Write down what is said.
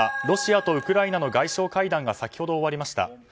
ロシアとウクライナの外相会談が先ほど、終わりました。